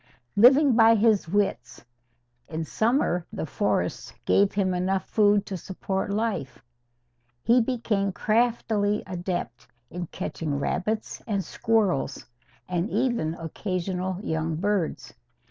Living by his wits, in summer the forests gave him enough food to support life. He became craftily adept in catching rabbits and squirrels, and even occasional young birds.